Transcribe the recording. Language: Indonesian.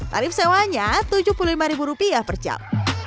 tarif sewanya rp tujuh puluh lima per jam